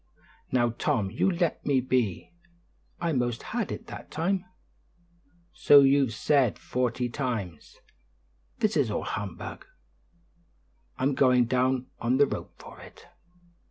"Now, Tom, you let me be; I 'most had it that time!" "So you've said forty times. This is all humbug; I'm going down on the rope for it."